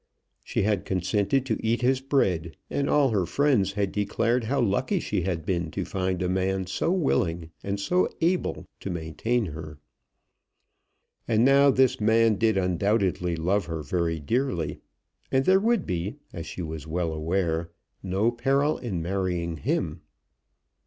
She had consented to eat his bread, and all her friends had declared how lucky she had been to find a man so willing and so able to maintain her. And now this man did undoubtedly love her very dearly, and there would be, as she was well aware, no peril in marrying him.